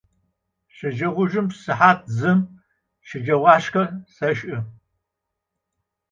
Şeceğoujjım sıhat zım şecağoşşxe seş'ı.